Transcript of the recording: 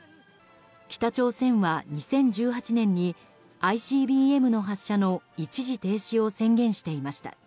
北朝鮮は２０１８年にＩＣＢＭの発射の一時停止を宣言していました。